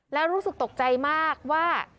แล้วรู้สึกตกใจมากว่า